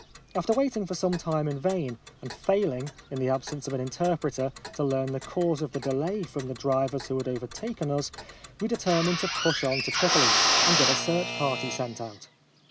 After waiting for some time in vain, and failing, in the absence of an interpreter, to learn the cause of the delay from the drivers who had overtaken us, we determined to push on to Tripoli, and get a search party sent out.